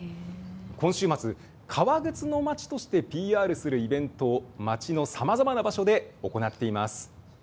今週末、革靴の町としてＰＲするイベントを、町のさまざまな場所で行っています。